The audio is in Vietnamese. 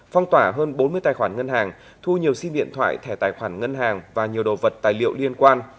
phong tỏa hơn bốn mươi tài khoản ngân hàng thu nhiều sim điện thoại thẻ tài khoản ngân hàng và nhiều đồ vật tài liệu liên quan